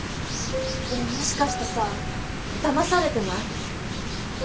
ねえもしかしてさだまされてない？